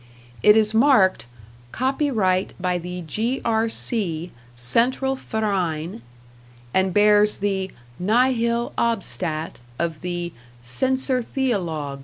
It is marked "Copyright by the G.R.C. Central Verein," and bears the "Nihil Obstat" of the "Censor Theolog."